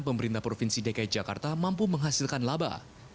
pemerintah provinsi dki jakarta mampu menghasilkan laba